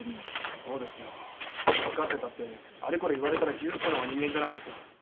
そうですよ。分かってたってあれこれ言われたら傷つくのが人間じゃないですか。